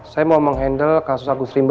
saya mau menghandle kasus agus rimba